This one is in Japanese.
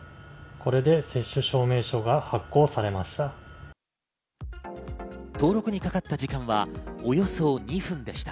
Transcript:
これで接種証明書が発行されました。